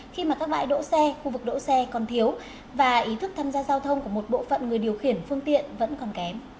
khi mà các bãi đỗ xe khu vực đỗ xe còn thiếu và ý thức tham gia giao thông của một bộ phận người điều khiển phương tiện vẫn còn kém